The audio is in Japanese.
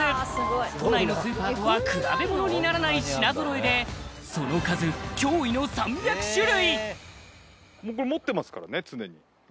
都内のスーパーとは比べものにならない品揃えでその数驚異の３００種類！